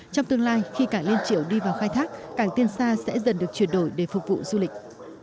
trong tương lai khi cảng liên triều đi vào khai thác cảng tiên sa sẽ dần được chuyển đổi để phục vụ du lịch